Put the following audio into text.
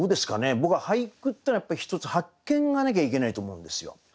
僕は俳句ってのはやっぱり一つ発見がなきゃいけないと思うんですよ。